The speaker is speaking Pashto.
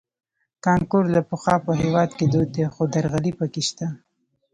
کانکور له پخوا په هېواد کې دود دی خو درغلۍ پکې شته